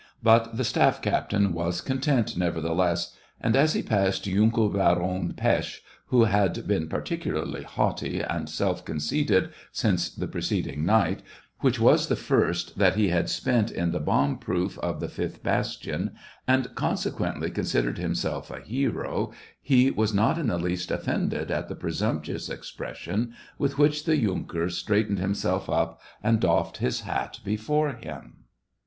But the staff captain was content, nevertheless, and as he passed Yunker * Baron Pesth, who had been par ticularly haughty and self conceited since the preceding night, which was the first that he had spent in the bomb proof of the fifth bastion, and consequently considered himself a hero, he was not in the least offended at the presumptuous expression with which the yunker straightened himself up and doffed his hat before him.